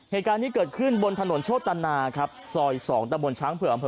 เหตุการณ์นี้เกิดขึ้นบนถนนโชตนาครับซอย๒ตะบนช้างเผื่ออำเภอ